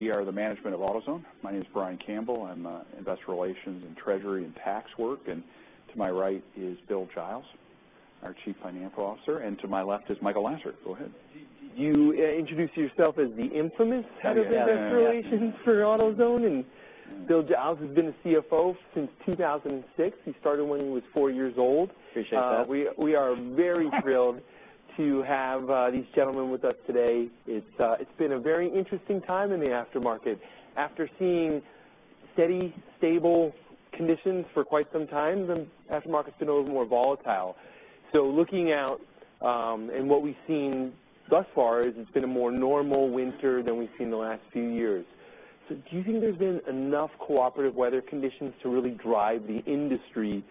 We are the management of AutoZone. My name is Brian Campbell. I'm investor relations and treasury and tax work, and to my right is Bill Giles, our Chief Financial Officer, and to my left is Michael Lasser. Go ahead. You introduced yourself as the infamous. Yeah of investor relations for AutoZone, and Bill Giles has been the CFO since 2006. He started when he was four years old. Appreciate that. We are very thrilled to have these gentlemen with us today. It's been a very interesting time in the aftermarket. After seeing steady, stable conditions for quite some time, the aftermarket's been a little more volatile. Looking out, and what we've seen thus far is it's been a more normal winter than we've seen in the last few years. Do you think there's been enough cooperative weather conditions to really drive the industry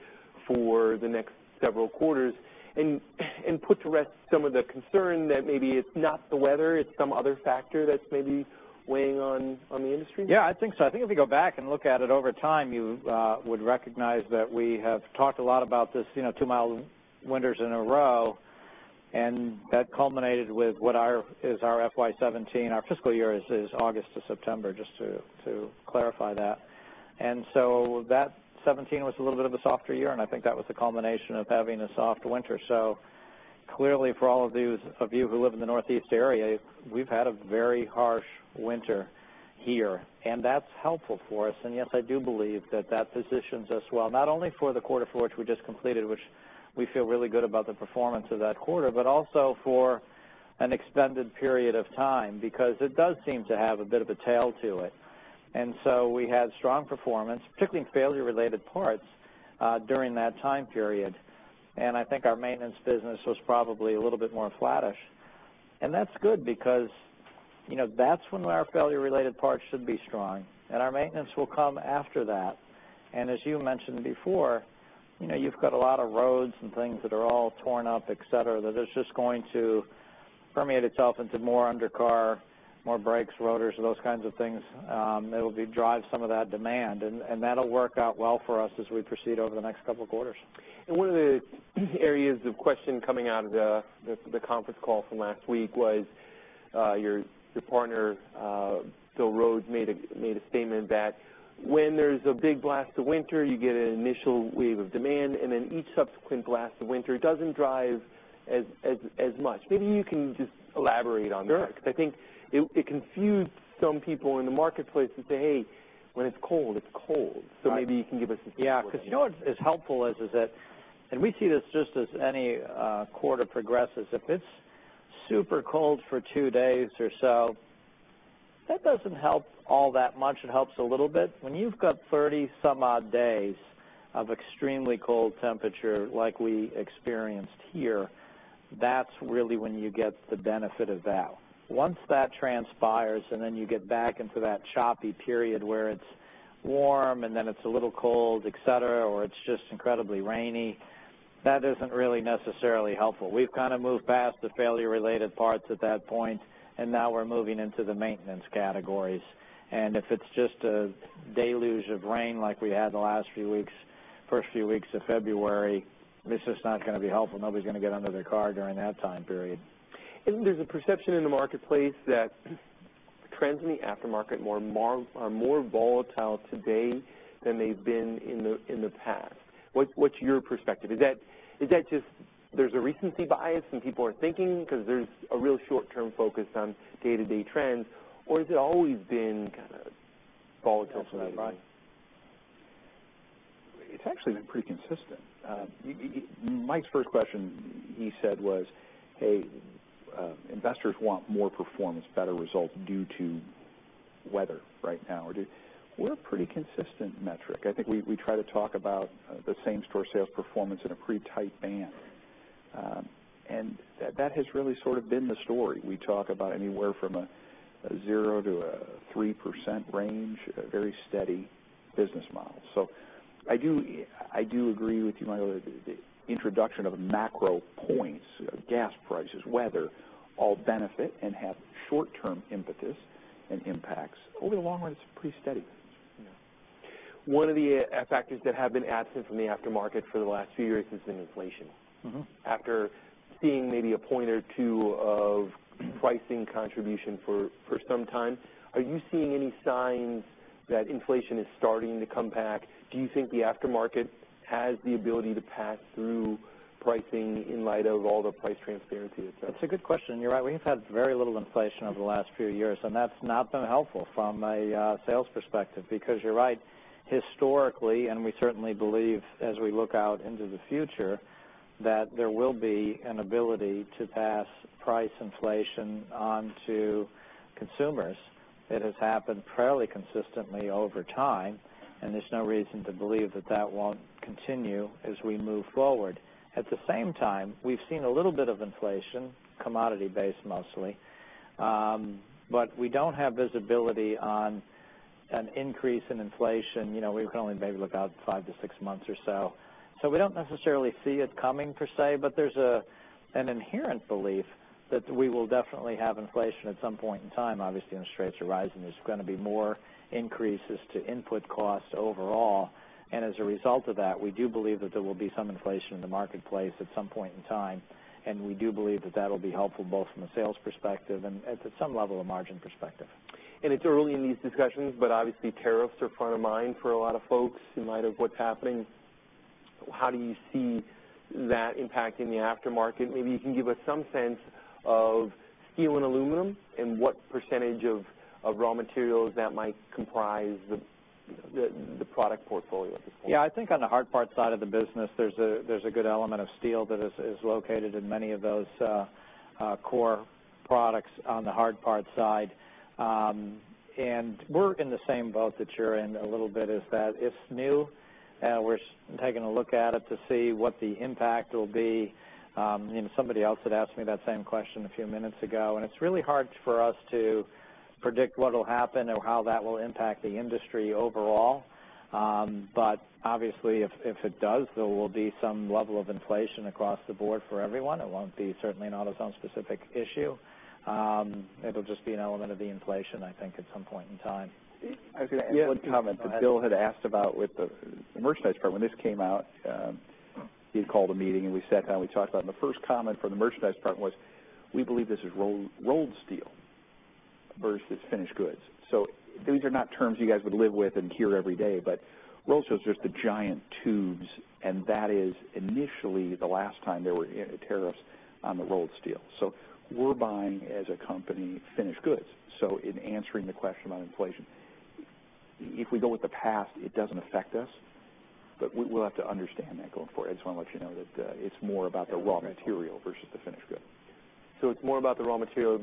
for the next several quarters and put to rest some of the concern that maybe it's not the weather, it's some other factor that's maybe weighing on the industry? Yeah, I think so. I think if you go back and look at it over time, you would recognize that we have talked a lot about this, two mild winters in a row, and that culminated with what is our FY 2017. Our fiscal year is August to September, just to clarify that. That 2017 was a little bit of a softer year, and I think that was the culmination of having a soft winter. Clearly for all of you who live in the Northeast area, we've had a very harsh winter here, and that's helpful for us. Yes, I do believe that that positions us well, not only for the quarter for which we just completed, which we feel really good about the performance of that quarter, but also for an extended period of time, because it does seem to have a bit of a tail to it. We had strong performance, particularly in failure-related parts, during that time period. I think our maintenance business was probably a little bit more flattish. That's good because that's when our failure-related parts should be strong, and our maintenance will come after that. As you mentioned before, you've got a lot of roads and things that are all torn up, et cetera, that it's just going to permeate itself into more undercar, more brakes, rotors, those kinds of things, that'll drive some of that demand. That'll work out well for us as we proceed over the next couple of quarters. One of the areas of question coming out of the conference call from last week was, your partner, Bill Rhodes, made a statement that when there's a big blast of winter, you get an initial wave of demand, and then each subsequent blast of winter doesn't drive as much. Maybe you can just elaborate on that? Sure. I think it confused some people in the marketplace who say, "Hey, when it's cold, it's cold. Right. Maybe you can give us a few words on that. You know what's helpful is that, and we see this just as any quarter progresses, if it's super cold for two days or so, that doesn't help all that much. It helps a little bit. When you've got 30 some odd days of extremely cold temperature like we experienced here, that's really when you get the benefit of that. Once that transpires, and then you get back into that choppy period where it's warm and then it's a little cold, et cetera, or it's just incredibly rainy, that isn't really necessarily helpful. We've kind of moved past the failure-related parts at that point, and now we're moving into the maintenance categories. If it's just a deluge of rain like we had the last few weeks, first few weeks of February, it's just not going to be helpful. Nobody's going to get under their car during that time period. There's a perception in the marketplace that trends in the aftermarket are more volatile today than they've been in the past. What's your perspective? Is that just there's a recency bias and people are thinking because there's a real short-term focus on day-to-day trends, or has it always been kind of volatile for you? That's my advice. It's actually been pretty consistent. Mike's first question, he said was, "Hey, investors want more performance, better results due to weather right now." We're a pretty consistent metric. I think we try to talk about the same-store sales performance in a pretty tight band. That has really sort of been the story. We talk about anywhere from a 0%-3% range, a very steady business model. I do agree with you, Michael, the introduction of macro points, gas prices, weather, all benefit and have short-term impetus and impacts. Over the long run, it's pretty steady. Yeah. One of the factors that have been absent from the aftermarket for the last few years has been inflation. After seeing maybe a point or two of pricing contribution for some time, are you seeing any signs that inflation is starting to come back? Do you think the aftermarket has the ability to pass through pricing in light of all the price transparency, et cetera? That's a good question. You're right. We've had very little inflation over the last few years, and that's not been helpful from a sales perspective because you're right, historically, and we certainly believe as we look out into the future that there will be an ability to pass price inflation onto consumers. It has happened fairly consistently over time, and there's no reason to believe that that won't continue as we move forward. At the same time, we've seen a little bit of inflation, commodity-based mostly. We don't have visibility on an increase in inflation. We can only maybe look out five to six months or so. We don't necessarily see it coming per se, but there's an inherent belief that we will definitely have inflation at some point in time. Obviously, interest rates are rising. There's going to be more increases to input costs overall. As a result of that, we do believe that there will be some inflation in the marketplace at some point in time, and we do believe that that'll be helpful both from a sales perspective and at some level, a margin perspective. It's early in these discussions, but obviously tariffs are front of mind for a lot of folks in light of what's happening. How do you see that impacting the aftermarket? Maybe you can give us some sense of steel and aluminum and what percentage of raw materials that might comprise the product portfolio at this point. Yeah. I think on the hard parts side of the business, there's a good element of steel that is located in many of those core products on the hard parts side. We're in the same boat that you're in a little bit, is that it's new. We're taking a look at it to see what the impact will be. Somebody else had asked me that same question a few minutes ago, it's really hard for us to predict what'll happen or how that will impact the industry overall. Obviously, if it does, there will be some level of inflation across the board for everyone. It won't be, certainly not a some specific issue. It'll just be an element of the inflation, I think, at some point in time. I was going to add one comment that Bill had asked about with the merchandise part. When this came out, he had called a meeting, we sat down, we talked about it, the first comment from the merchandise department was, "We believe this is rolled steel versus finished goods." These are not terms you guys would live with and hear every day, but rolled steel is just the giant tubes, and that is initially the last time there were tariffs on the rolled steel. We're buying, as a company, finished goods. In answering the question on inflation, if we go with the past, it doesn't affect us, but we'll have to understand that going forward. I just want to let you know that it's more about the raw material versus the finished good. It's more about the raw material,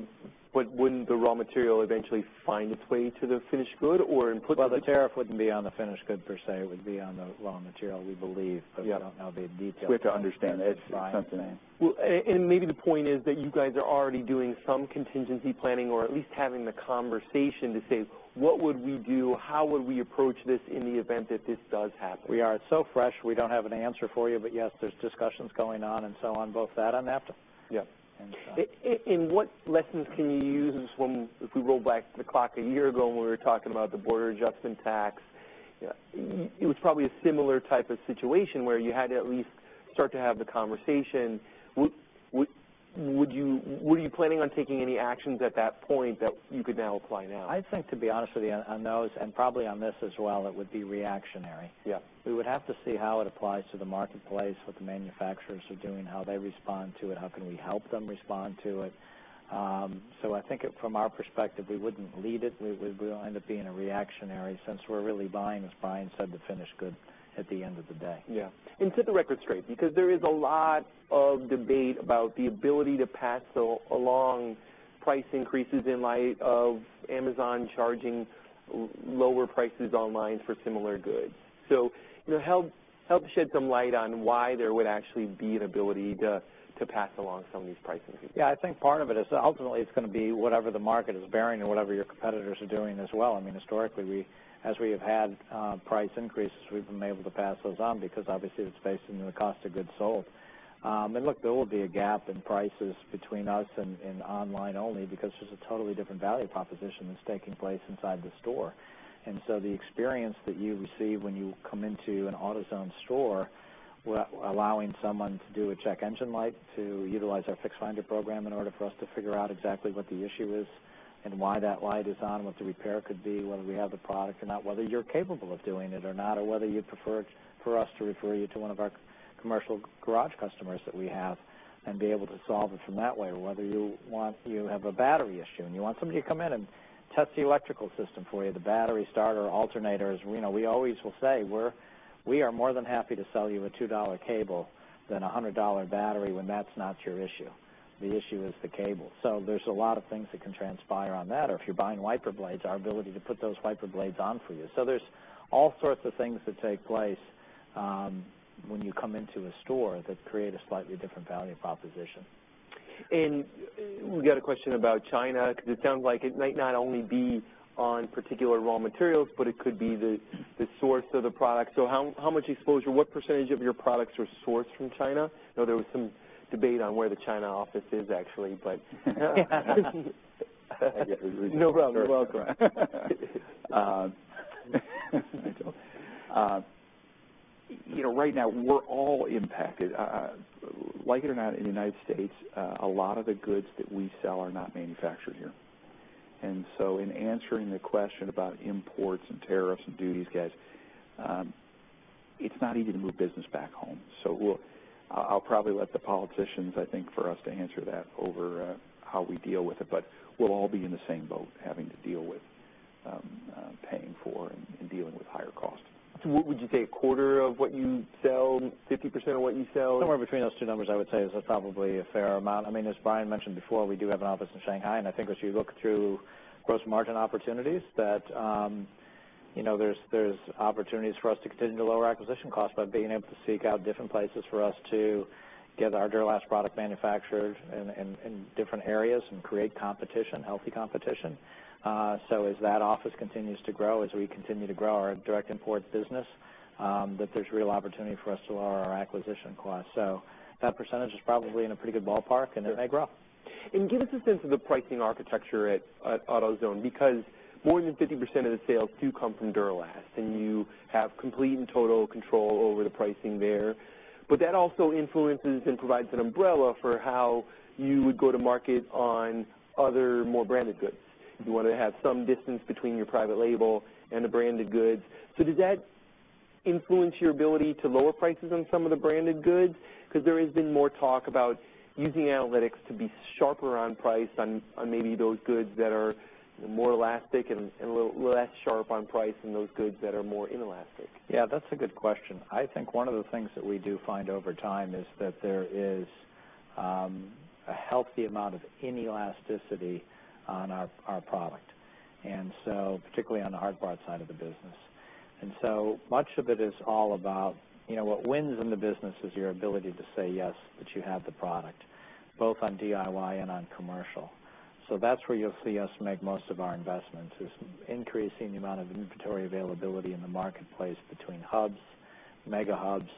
wouldn't the raw material eventually find its way to the finished good? The tariff wouldn't be on the finished good per se. It would be on the raw material, we believe. Yeah. We don't know the details. We have to understand it. It's something. Maybe the point is that you guys are already doing some contingency planning or at least having the conversation to say, "What would we do? How would we approach this in the event that this does happen? We are. It's so fresh, we don't have an answer for you. Yes, there's discussions going on and so on, both that and APRA. Yeah. What lessons can you use from if we roll back the clock a year ago when we were talking about the border adjustment tax? It was probably a similar type of situation where you had to at least start to have the conversation. Were you planning on taking any actions at that point that you could now apply now? I think, to be honest with you, on those and probably on this as well, it would be reactionary. Yeah. We would have to see how it applies to the marketplace, what the manufacturers are doing, how they respond to it, how can we help them respond to it. From our perspective, we wouldn't lead it. We'll end up being reactionary since we're really buying, as Brian said, the finished good at the end of the day. Set the record straight, because there is a lot of debate about the ability to pass along price increases in light of Amazon charging lower prices online for similar goods. Help shed some light on why there would actually be an ability to pass along some of these price increases. Yeah. I think part of it is ultimately it's going to be whatever the market is bearing or whatever your competitors are doing as well. Historically, as we have had price increases, we've been able to pass those on because obviously it's based on the cost of goods sold. Look, there will be a gap in prices between us and online only because there's a totally different value proposition that's taking place inside the store. The experience that you receive when you come into an AutoZone store, allowing someone to do a check engine light, to utilize our Fix Finder program in order for us to figure out exactly what the issue is and why that light is on, what the repair could be, whether we have the product or not, whether you're capable of doing it or not, or whether you'd prefer it for us to refer you to one of our commercial garage customers that we have and be able to solve it from that way, or whether you have a battery issue and you want somebody to come in and test the electrical system for you, the battery, starter, alternators. We always will say, we are more than happy to sell you a $2 cable than $100 battery when that's not your issue. The issue is the cable. There's a lot of things that can transpire on that. If you're buying wiper blades, our ability to put those wiper blades on for you. There's all sorts of things that take place when you come into a store that create a slightly different value proposition. We got a question about China, because it sounds like it might not only be on particular raw materials, but it could be the source of the product. How much exposure, what percentage of your products are sourced from China? There was some debate on where the China office is, actually. I guess No problem. You're welcome. Right now, we're all impacted. Like it or not, in the U.S., a lot of the goods that we sell are not manufactured here. In answering the question about imports and tariffs and duties, guys, it's not easy to move business back home. I'll probably let the politicians, I think, for us to answer that over how we deal with it, but we'll all be in the same boat, having to deal with paying for and dealing with higher costs. What would you say, a quarter of what you sell, 50% of what you sell? Somewhere between those two numbers, I would say, is probably a fair amount. As Brian mentioned before, we do have an office in Shanghai, and I think as you look through gross margin opportunities, there's opportunities for us to continue to lower acquisition costs by being able to seek out different places for us to get our Duralast product manufactured in different areas and create competition, healthy competition. As that office continues to grow, as we continue to grow our direct imports business, there's real opportunity for us to lower our acquisition costs. That percentage is probably in a pretty good ballpark, and it may grow. Give us a sense of the pricing architecture at AutoZone, because more than 50% of the sales do come from Duralast, and you have complete and total control over the pricing there. That also influences and provides an umbrella for how you would go to market on other more branded goods. You want to have some distance between your private label and the branded goods. Does that influence your ability to lower prices on some of the branded goods? Because there has been more talk about using analytics to be sharper on price on maybe those goods that are more elastic and a little less sharp on price than those goods that are more inelastic. Yeah, that's a good question. I think one of the things that we do find over time is that there is a healthy amount of inelasticity on our product. Particularly on the hard part side of the business. Much of it is all about, what wins in the business is your ability to say yes, that you have the product, both on DIY and on commercial. That's where you'll see us make most of our investments, is increasing the amount of inventory availability in the marketplace between hubs, mega hubs,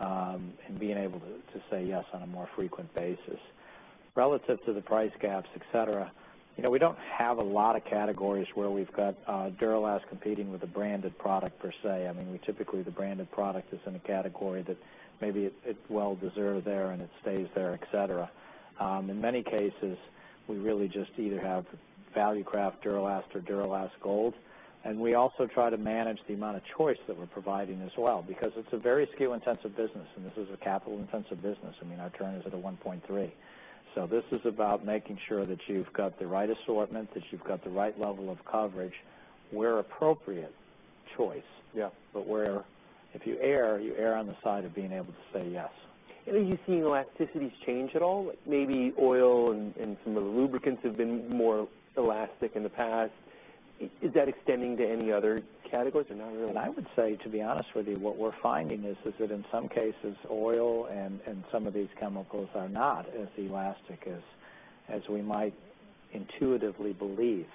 and being able to say yes on a more frequent basis. Relative to the price gaps, et cetera, we don't have a lot of categories where we've got Duralast competing with a branded product, per se. Typically, the branded product is in a category that maybe it's well deserved there and it stays there, et cetera. In many cases, we really just either have Valucraft Duralast or Duralast Gold. We also try to manage the amount of choice that we're providing as well, because it's a very SKU-intensive business, and this is a capital-intensive business. Our turn is at a 1.3. This is about making sure that you've got the right assortment, that you've got the right level of coverage, where appropriate choice. Yeah. Where if you err, you err on the side of being able to say yes. Are you seeing elasticities change at all? Maybe oil and some of the lubricants have been more elastic in the past. Is that extending to any other categories or not really? I would say, to be honest with you, what we're finding is that in some cases, oil and some of these chemicals are not as elastic as we might intuitively believe.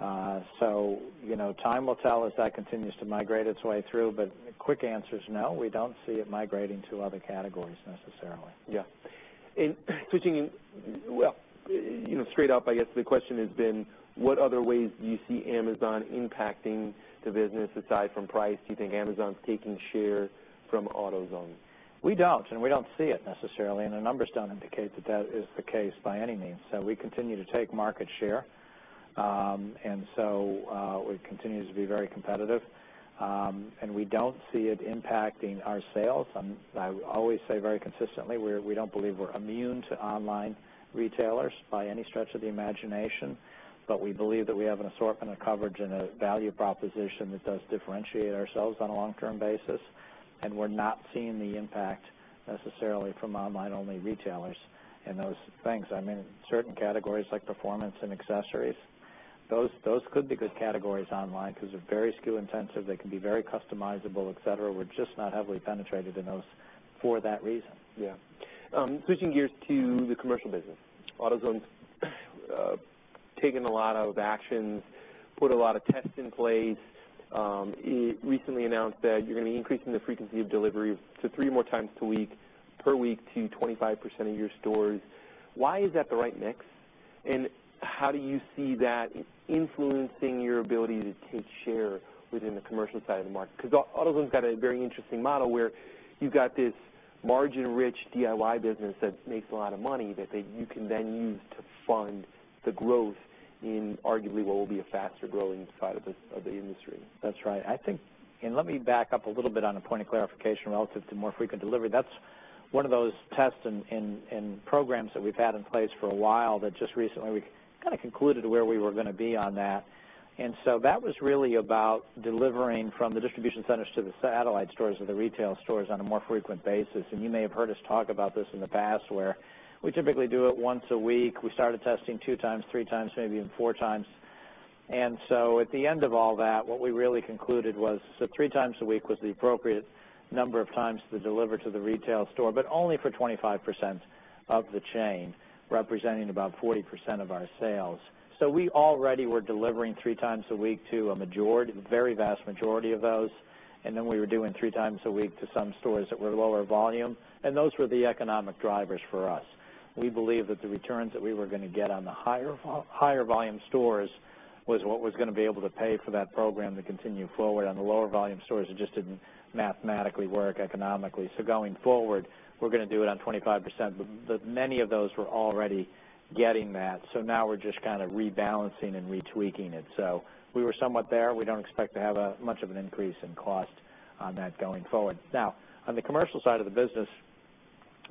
Time will tell as that continues to migrate its way through. The quick answer is no, we don't see it migrating to other categories necessarily. Yeah. Switching, well, straight up, I guess the question has been, what other ways do you see Amazon impacting the business aside from price? Do you think Amazon's taking share from AutoZone? We don't see it necessarily, and the numbers don't indicate that that is the case by any means. We continue to take market share. We continue to be very competitive, and we don't see it impacting our sales. I always say very consistently, we don't believe we're immune to online retailers by any stretch of the imagination. We believe that we have an assortment of coverage and a value proposition that does differentiate ourselves on a long-term basis, and we're not seeing the impact necessarily from online-only retailers and those things. Certain categories like performance and accessories, those could be good categories online because they're very SKU-intensive, they can be very customizable, et cetera. We're just not heavily penetrated in those for that reason. Yeah. Switching gears to the commercial business. AutoZone's taken a lot of action, put a lot of tests in place. It recently announced that you're going to be increasing the frequency of delivery to three more times per week to 25% of your stores. Why is that the right mix? How do you see that influencing your ability to take share within the commercial side of the market? Because AutoZone's got a very interesting model where you've got this margin-rich DIY business that makes a lot of money that you can then use to fund the growth in arguably what will be a faster-growing side of the industry. That's right. I think, let me back up a little bit on a point of clarification relative to more frequent delivery. That's one of those tests and programs that we've had in place for a while that just recently we kind of concluded where we were going to be on that. That was really about delivering from the distribution centers to the satellite stores or the retail stores on a more frequent basis. You may have heard us talk about this in the past, where we typically do it once a week. We started testing two times, three times, maybe even four times. At the end of all that, what we really concluded was that three times a week was the appropriate number of times to deliver to the retail store, but only for 25% of the chain, representing about 40% of our sales. We already were delivering three times a week to a very vast majority of those. We were doing three times a week to some stores that were lower volume, and those were the economic drivers for us. We believe that the returns that we were going to get on the higher volume stores was what was going to be able to pay for that program to continue forward. On the lower volume stores, it just didn't mathematically work economically. Going forward, we're going to do it on 25%, but many of those were already getting that. Now we're just kind of rebalancing and retweaking it. We were somewhat there. We don't expect to have much of an increase in cost on that going forward. On the commercial side of the business,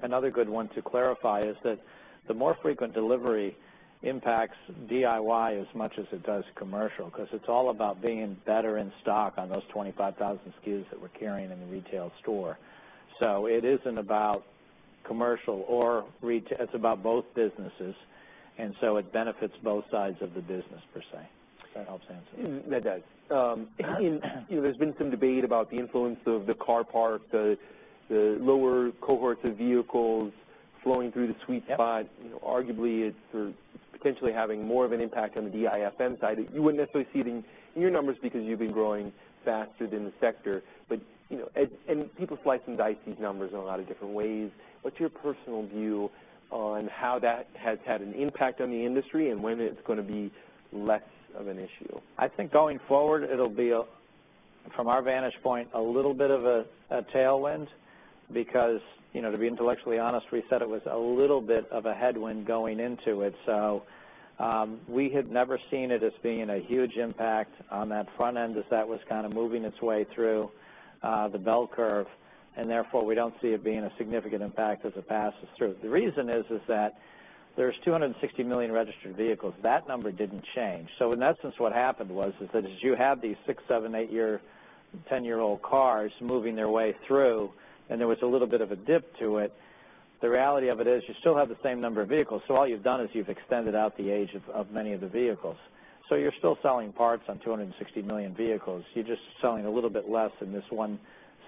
another good one to clarify is that the more frequent delivery impacts DIY as much as it does commercial, because it's all about being better in stock on those 25,000 SKUs that we're carrying in the retail store. It isn't about commercial or retail, it's about both businesses, it benefits both sides of the business, per se. Does that help answer? That does. There's been some debate about the influence of the car park, the lower cohorts of vehicles flowing through the sweet spot. Yep. Arguably, it's potentially having more of an impact on the DIFM side. You wouldn't necessarily see it in your numbers because you've been growing faster than the sector. People slice and dice these numbers in a lot of different ways. What's your personal view on how that has had an impact on the industry and when it's gonna be less of an issue? I think going forward, it'll be From our vantage point, a little bit of a tailwind because, to be intellectually honest, we said it was a little bit of a headwind going into it. We had never seen it as being a huge impact on that front end as that was kind of moving its way through the bell curve, we don't see it being a significant impact as it passes through. The reason is that there's 260 million registered vehicles. That number didn't change. In that sense, what happened was that as you have these six, seven, eight year, 10-year-old cars moving their way through, there was a little bit of a dip to it, the reality of it is you still have the same number of vehicles. All you've done is you've extended out the age of many of the vehicles. You're still selling parts on 260 million vehicles. You're just selling a little bit less in this one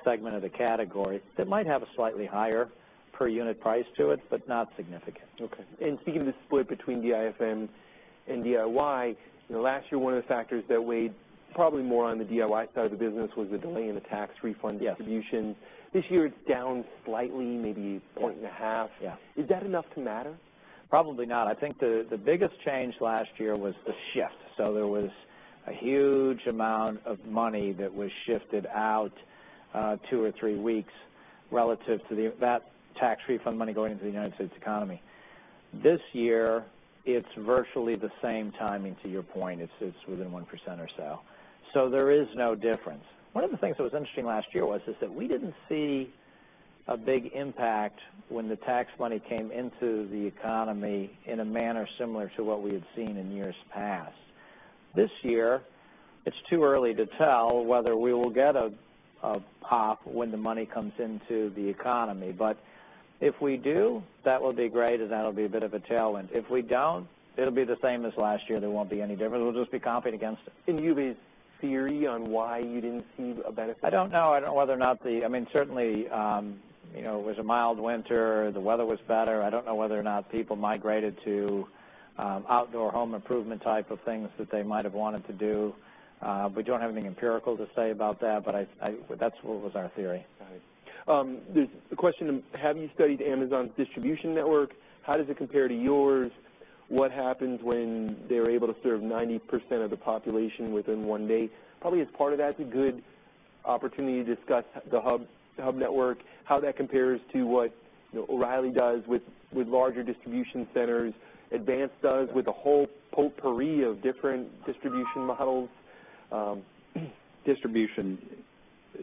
segment of the category that might have a slightly higher per unit price to it, but not significant. Okay. Speaking of the split between DIFM and DIY, last year, one of the factors that weighed probably more on the DIY side of the business was the delay in the tax refund distribution. Yes. This year, it's down slightly, maybe a point and a half. Yeah. Is that enough to matter? Probably not. I think the biggest change last year was the shift. There was a huge amount of money that was shifted out two or three weeks relative to that tax refund money going into the U.S. economy. This year, it's virtually the same timing to your point. It sits within 1% or so. There is no difference. One of the things that was interesting last year was that we didn't see a big impact when the tax money came into the economy in a manner similar to what we had seen in years past. This year, it's too early to tell whether we will get a pop when the money comes into the economy. If we do, that'll be great, and that'll be a bit of a tailwind. If we don't, it'll be the same as last year. There won't be any difference. We'll just be competing against- [inaudible] theory on why you didn't see a benefit? I don't know. I don't know whether or not. Certainly, it was a mild winter. The weather was better. I don't know whether or not people migrated to outdoor home improvement type of things that they might have wanted to do. We don't have anything empirical to say about that's what was our theory. Got it. There's a question, have you studied Amazon's distribution network? How does it compare to yours? What happens when they're able to serve 90% of the population within one day? Probably as part of that, it's a good opportunity to discuss the hub network, how that compares to what O'Reilly does with larger distribution centers, Advanced does with a whole potpourri of different distribution models. Distribution.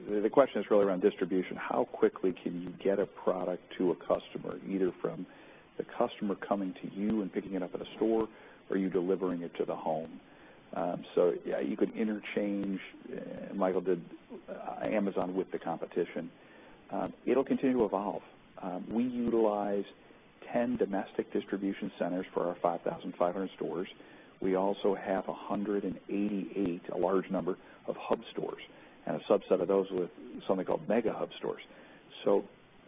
The question is really around distribution. How quickly can you get a product to a customer, either from the customer coming to you and picking it up at a store or you delivering it to the home? You could interchange, Michael did Amazon with the competition. It'll continue to evolve. We utilize 10 domestic distribution centers for our 5,500 stores. We also have 188, a large number, of hub stores and a subset of those with something called mega hub stores.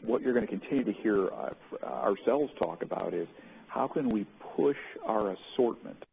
What you're going to continue to hear ourselves talk about is how can we push our assortment,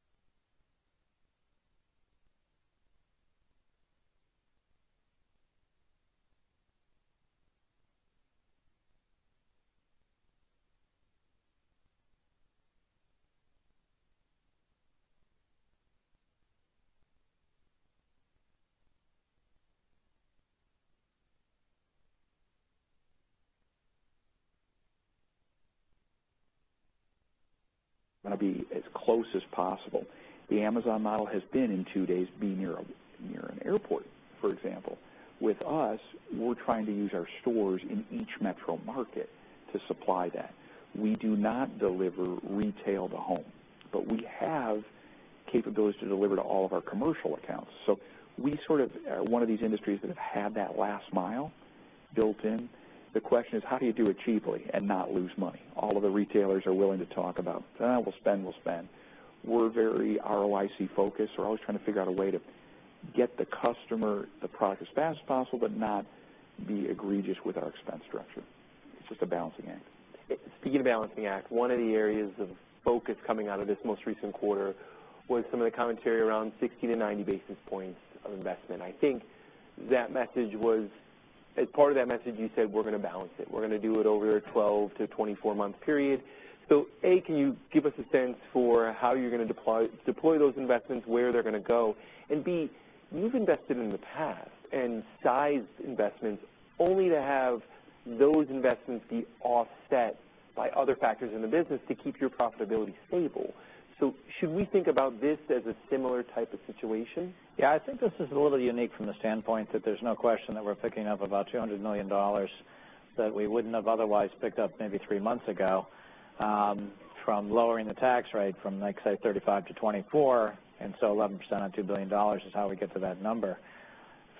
going to be as close as possible. The Amazon model has been in two days, be near an airport, for example. With us, we're trying to use our stores in each metro market to supply that. We do not deliver retail to home, we have capabilities to deliver to all of our commercial accounts. We sort of are one of these industries that have had that last mile built in. The question is, how do you do it cheaply and not lose money? All of the retailers are willing to talk about, "We'll spend." We're very ROIC-focused. We're always trying to figure out a way to get the customer the product as fast as possible, but not be egregious with our expense structure. It's just a balancing act. Speaking of balancing act, one of the areas of focus coming out of this most recent quarter was some of the commentary around 60 to 90 basis points of investment. I think part of that message you said, "We're going to balance it. We're going to do it over a 12 to 24-month period." A, can you give us a sense for how you're going to deploy those investments, where they're going to go? B, you've invested in the past and sized investments only to have those investments be offset by other factors in the business to keep your profitability stable. Should we think about this as a similar type of situation? Yeah, I think this is a little unique from the standpoint that there's no question that we're picking up about $200 million that we wouldn't have otherwise picked up maybe three months ago from lowering the tax rate from, like, say, 35 to 24. 11% on $2 billion is how we get to that number.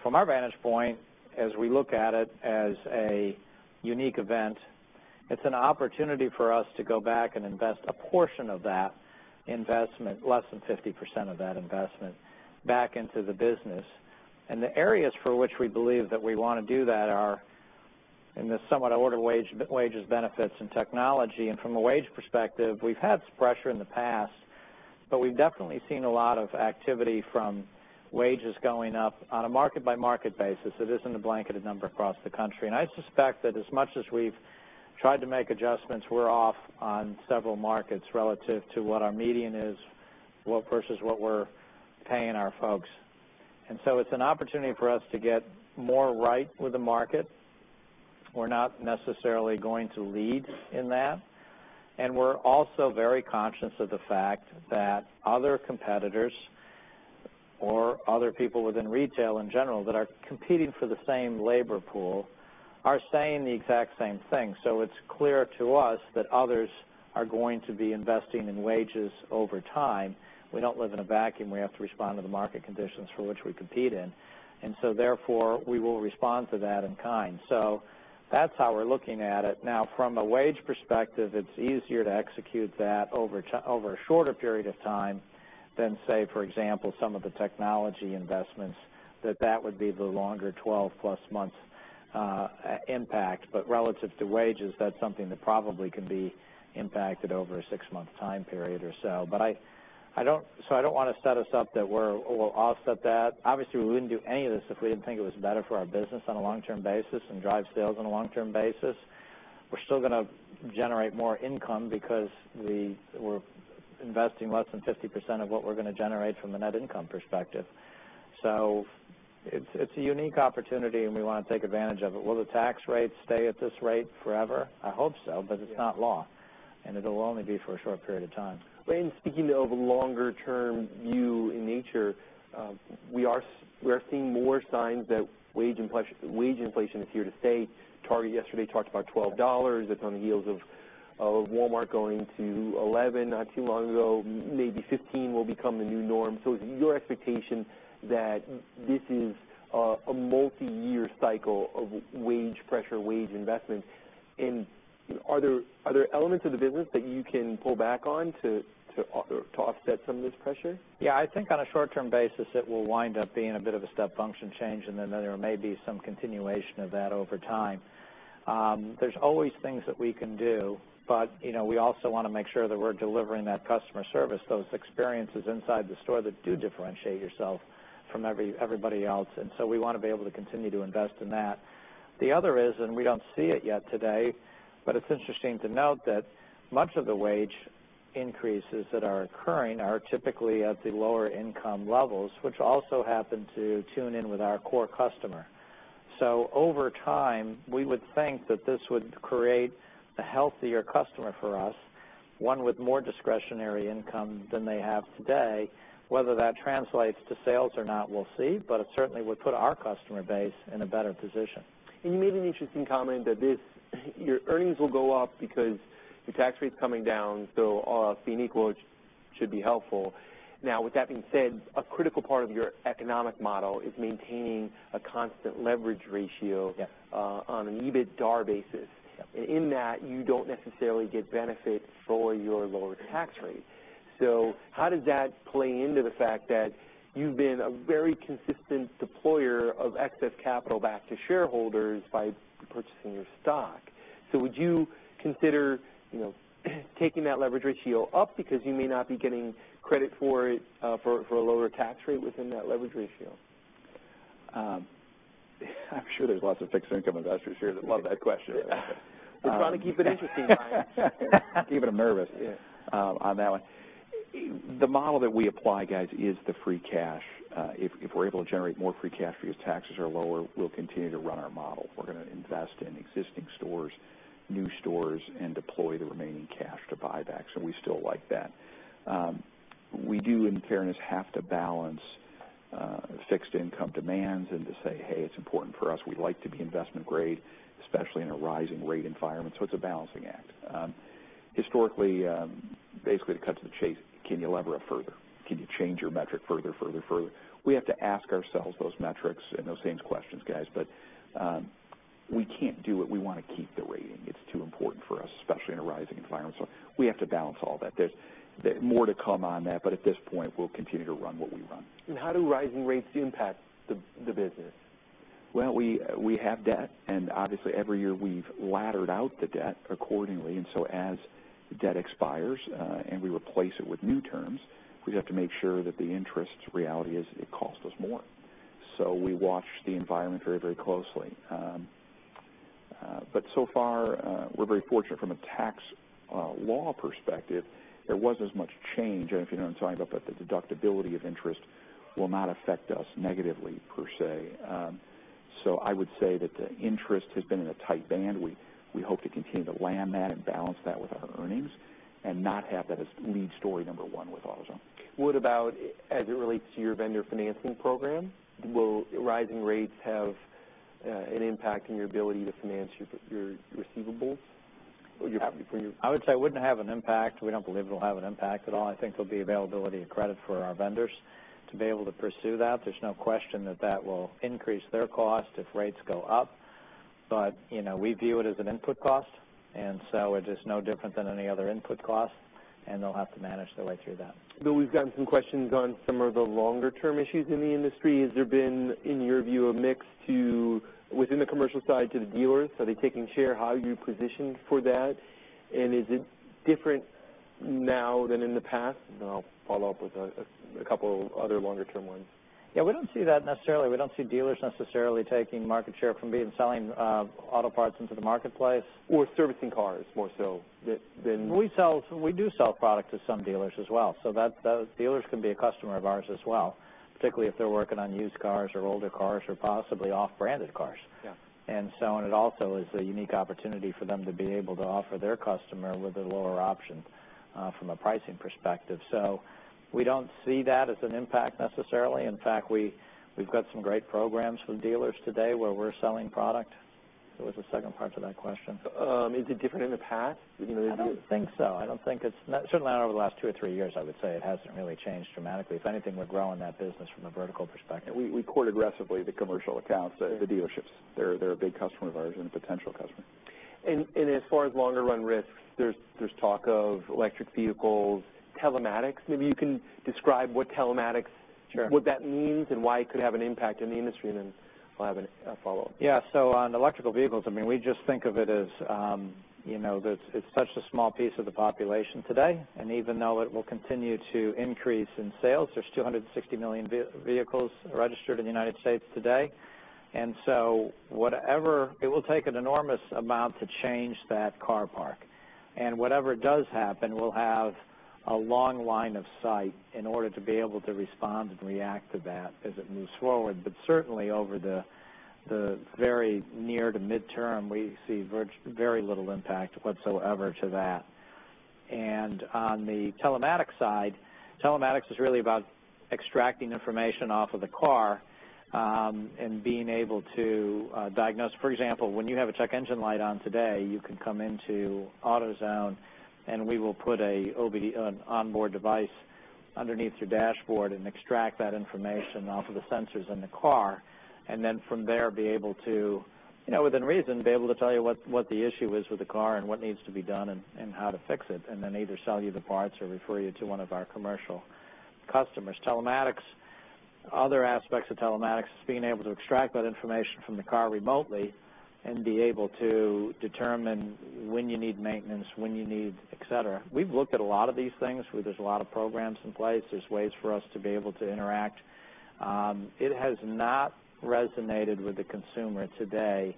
From our vantage point, as we look at it as a unique event, it's an opportunity for us to go back and invest a portion of that investment, less than 50% of that investment, back into the business. The areas for which we believe that we want to do that are in the somewhat order wages, benefits, and technology. From a wage perspective, we've had pressure in the past, but we've definitely seen a lot of activity from wages going up on a market-by-market basis. It isn't a blanketed number across the country. I suspect that as much as we've tried to make adjustments, we're off on several markets relative to what our median is Well, versus what we're paying our folks. It's an opportunity for us to get more right with the market. We're not necessarily going to lead in that. We're also very conscious of the fact that other competitors or other people within retail in general that are competing for the same labor pool are saying the exact same thing. It's clear to us that others are going to be investing in wages over time. We don't live in a vacuum. We have to respond to the market conditions for which we compete in. Therefore, we will respond to that in kind. That's how we're looking at it. Now, from a wage perspective, it's easier to execute that over a shorter period of time than, say, for example, some of the technology investments, that that would be the longer 12-plus month impact. Relative to wages, that's something that probably could be impacted over a six-month time period or so. I don't want to set us up that we'll offset that. Obviously, we wouldn't do any of this if we didn't think it was better for our business on a long-term basis and drive sales on a long-term basis. We're still going to generate more income because we're investing less than 50% of what we're going to generate from the net income perspective. It's a unique opportunity, and we want to take advantage of it. Will the tax rate stay at this rate forever? I hope so, it's not law, it'll only be for a short period of time. Well, in speaking of a longer-term view in nature, we are seeing more signs that wage inflation is here to stay. Target yesterday talked about $12. That's on the heels of Walmart going to eleven not too long ago. Maybe 15 will become the new norm. Is it your expectation that this is a multi-year cycle of wage pressure, wage investment? Are there elements of the business that you can pull back on to offset some of this pressure? Yeah, I think on a short-term basis, it will wind up being a bit of a step function change, and then there may be some continuation of that over time. There's always things that we can do, but we also want to make sure that we're delivering that customer service, those experiences inside the store that do differentiate yourself from everybody else. We want to be able to continue to invest in that. The other is, and we don't see it yet today, but it's interesting to note that much of the wage increases that are occurring are typically at the lower income levels, which also happen to tune in with our core customer. Over time, we would think that this would create a healthier customer for us, one with more discretionary income than they have today. Whether that translates to sales or not, we'll see, but it certainly would put our customer base in a better position. You made an interesting comment that your earnings will go up because the tax rate's coming down, so all else being equal, it should be helpful. Now, with that being said, a critical part of your economic model is maintaining a constant leverage ratio. Yes on an EBITDA basis. Yep. In that, you don't necessarily get benefit for your lower tax rate. How does that play into the fact that you've been a very consistent deployer of excess capital back to shareholders by purchasing your stock? Would you consider taking that leverage ratio up because you may not be getting credit for a lower tax rate within that leverage ratio? I'm sure there's lots of fixed income investors here that love that question. We're trying to keep it interesting, Brian. Keeping them nervous. Yeah. On that one. The model that we apply, guys, is the free cash. If we're able to generate more free cash because taxes are lower, we'll continue to run our model. We're going to invest in existing stores, new stores, and deploy the remaining cash to buy back. We still like that. We do, in fairness, have to balance fixed income demands and to say, "Hey, it's important for us. We'd like to be investment grade," especially in a rising rate environment. It's a balancing act. Historically, basically to cut to the chase, can you lever it further? Can you change your metric further? We have to ask ourselves those metrics and those same questions, guys. We can't do it. We want to keep the rating. It's too important for us, especially in a rising environment. We have to balance all that. There's more to come on that, at this point, we'll continue to run what we run. How do rising rates impact the business? We have debt, obviously every year we've laddered out the debt accordingly. As debt expires and we replace it with new terms, we have to make sure that the interest reality is it costs us more. We watch the environment very, very closely. So far, we're very fortunate from a tax law perspective, there wasn't as much change. If you know what I'm talking about, the deductibility of interest will not affect us negatively per se. I would say that the interest has been in a tight band. We hope to continue to land that and balance that with our earnings and not have that as lead story number one with AutoZone. What about as it relates to your vendor financing program? Will rising rates have an impact on your ability to finance your receivables for your- I would say it wouldn't have an impact. We don't believe it'll have an impact at all. I think there'll be availability of credit for our vendors to be able to pursue that. There's no question that that will increase their cost if rates go up. We view it as an input cost, it is no different than any other input cost, they'll have to manage their way through that. Bill, we've gotten some questions on some of the longer-term issues in the industry. Has there been, in your view, a mix to Within the commercial side to the dealers, are they taking share? How are you positioned for that, is it different now than in the past? I'll follow up with a couple other longer-term ones. Yeah, we don't see that necessarily. We don't see dealers necessarily taking market share from selling auto parts into the marketplace. Servicing cars. We do sell product to some dealers as well, so those dealers can be a customer of ours as well, particularly if they're working on used cars or older cars or possibly off-branded cars. Yeah. It also is a unique opportunity for them to be able to offer their customer with a lower option from a pricing perspective. We don't see that as an impact necessarily. In fact, we've got some great programs for the dealers today where we're selling product. What was the second part to that question? Is it different in the past? I don't think so. Certainly not over the last two or three years, I would say. It hasn't really changed dramatically. If anything, we're growing that business from a vertical perspective. We court aggressively the commercial accounts, the dealerships. They're a big customer of ours and a potential customer. As far as longer-run risks, there's talk of electric vehicles, telematics. Maybe you can describe. Sure what that means and why it could have an impact in the industry, and then I'll have a follow-up. Yeah. On electrical vehicles, we just think of it as, it's such a small piece of the population today, and even though it will continue to increase in sales, there's 260 million vehicles registered in the U.S. today. It will take an enormous amount to change that car park. Whatever does happen, we'll have a long line of sight in order to be able to respond and react to that as it moves forward. Certainly over the very near to mid-term, we see very little impact whatsoever to that. On the telematics side, telematics is really about extracting information off of the car, and being able to diagnose. For example, when you have a check engine light on today, you can come into AutoZone and we will put an onboard device underneath your dashboard and extract that information off of the sensors in the car. From there, within reason, be able to tell you what the issue is with the car and what needs to be done and how to fix it, and then either sell you the parts or refer you to one of our commercial customers. Other aspects of telematics is being able to extract that information from the car remotely and be able to determine when you need maintenance, when you need et cetera. We've looked at a lot of these things. There's a lot of programs in place. There's ways for us to be able to interact. It has not resonated with the consumer today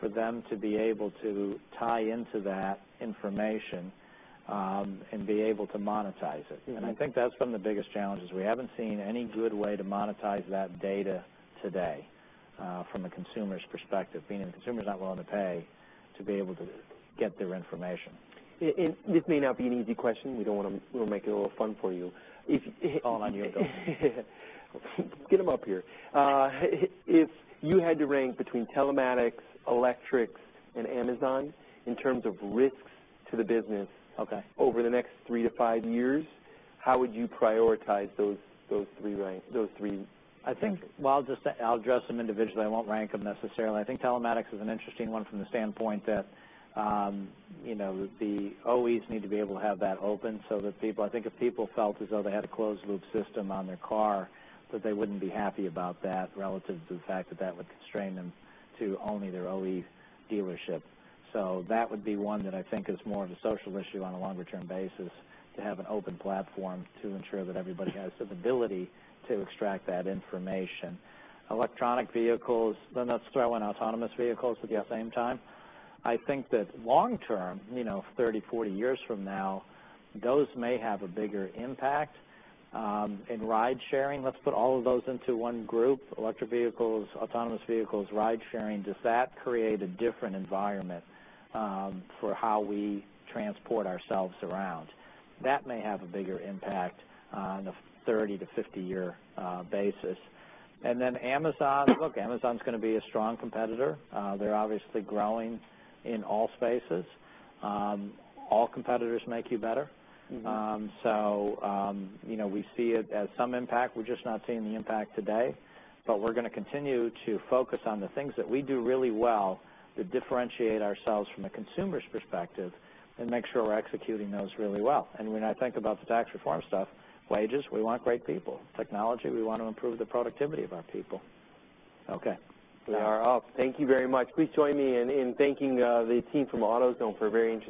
for them to be able to tie into that information, and be able to monetize it. I think that's been the biggest challenge is we haven't seen any good way to monetize that data today, from a consumer's perspective, being that the consumer's not willing to pay to be able to get their information. This may not be an easy question. We want to make it a little fun for you. It's all on you. Get them up here. If you had to rank between telematics, electrics, and Amazon in terms of risks to the business- Okay Over the next three to five years, how would you prioritize those three ranks? I think, well, I'll address them individually. I won't rank them necessarily. I think telematics is an interesting one from the standpoint that the OEs need to be able to have that open. I think if people felt as though they had a closed-loop system on their car, that they wouldn't be happy about that relative to the fact that that would constrain them to only their OE dealership. That would be one that I think is more of a social issue on a longer-term basis, to have an open platform to ensure that everybody has the ability to extract that information. Electronic vehicles, let's throw in autonomous vehicles with- Yeah the same time. I think that long term, 30, 40 years from now, those may have a bigger impact. Ride sharing, let's put all of those into one group, electric vehicles, autonomous vehicles, ride sharing. Does that create a different environment for how we transport ourselves around? That may have a bigger impact on a 30 to 50-year basis. Amazon, look, Amazon's going to be a strong competitor. They're obviously growing in all spaces. All competitors make you better. We see it as some impact. We're just not seeing the impact today. We're going to continue to focus on the things that we do really well to differentiate ourselves from a consumer's perspective and make sure we're executing those really well. When I think about the tax reform stuff, wages, we want great people. Technology, we want to improve the productivity of our people. Okay. We are off. Thank you very much. Please join me in thanking the team from AutoZone for a very interesting-